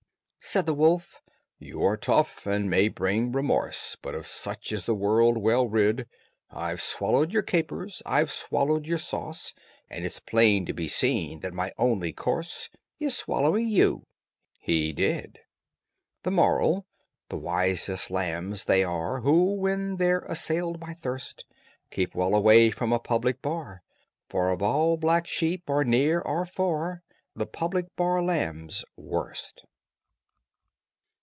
Said the wolf: "You are tough and may bring remorse, But of such is the world well rid. I've swallowed your capers, I've swallowed your sauce, And it's plain to be seen that my only course Is swallowing you." He did. THE MORAL: The wisest lambs they are Who, when they're assailed by thirst, Keep well away from a public bar; For of all black sheep, or near, or far, The public bar lamb's worst!